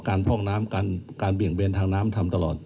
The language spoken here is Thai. พร่องน้ำการเบี่ยงเบนทางน้ำทำตลอด